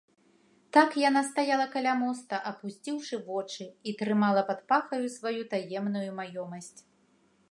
Так яна стаяла каля моста, апусціўшы вочы, і трымала пад пахаю сваю таемную маёмасць.